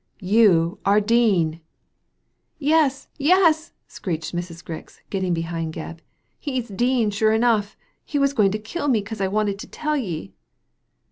"You are Dean!" " Yes ! yes !" screeched Mrs. Grix, getting behind Gebb, " he*s Dean sure enough. He was going to kill me 'cause I wanted to tell ye."